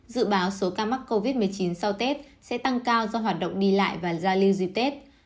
dự báo số ca mắc covid một mươi chín sau tết sẽ tăng cao do hoạt động đi lại và giao lưu dịp tết